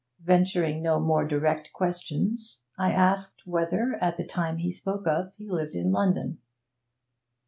Venturing no more direct questions, I asked whether, at the time he spoke of, he lived in London.